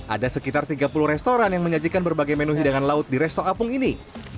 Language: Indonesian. ada sekitar tiga puluh restoran yang menyajikan berbagai menu hidangan laut di resto apung ini